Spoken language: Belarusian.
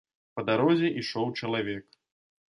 Па дарозе ішоў чалавек.